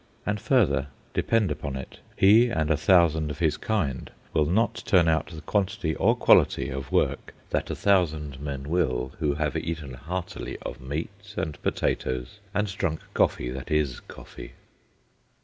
And further, depend upon it, he and a thousand of his kind will not turn out the quantity or quality of work that a thousand men will who have eaten heartily of meat and potatoes, and drunk coffee that is coffee.